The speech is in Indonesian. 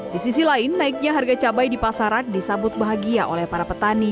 di sisi lain naiknya harga cabai di pasaran disambut bahagia oleh para petani